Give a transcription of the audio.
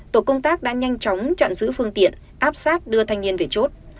tổ công tác đã nhanh chóng chặn giữ phương tiện áp sát đưa thanh niên về chốt